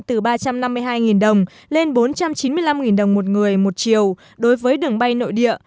từ ba trăm năm mươi hai đồng lên bốn trăm chín mươi năm đồng một người một chiều đối với đường bay nội địa